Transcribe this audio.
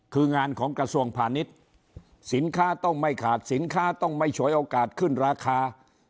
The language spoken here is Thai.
คืองานของกระทรวงพาณิชย์สินค้าต้องไม่ขาดสินค้าต้องไม่ฉวยโอกาสขึ้นราคา